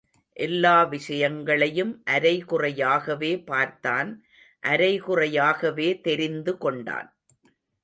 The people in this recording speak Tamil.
எல்லா விஷயங்களையும் அரைகுறையாகவே பார்த்தான் அரைகுறையாகவே தெரிந்து கொண்டான்.